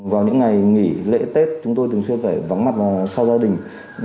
vào những ngày nghỉ lễ tết chúng tôi thường xuyên phải vắng mặt sau gia đình